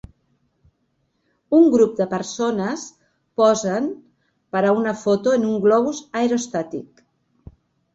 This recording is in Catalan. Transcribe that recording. Un grup de persones posen per a una foto en un globus aerostàtic.